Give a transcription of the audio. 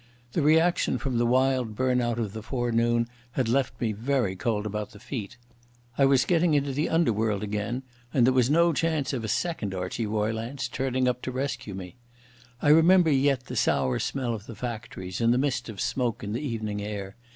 The reaction from the wild burnout of the forenoon had left me very cold about the feet. I was getting into the under world again and there was no chance of a second Archie Roylance turning up to rescue me. I remember yet the sour smell of the factories and the mist of smoke in the evening air.